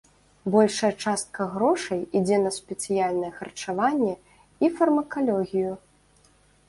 Большая частка грошай ідзе на спецыяльнае харчаванне і фармакалогію.